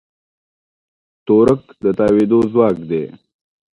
تورک د تاوېدو ځواک دی.